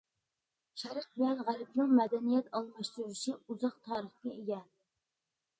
شەرق بىلەن غەربنىڭ مەدەنىيەت ئالماشتۇرۇشى ئۇزاق تارىخقا ئىگە.